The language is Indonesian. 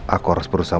aku harus berusaha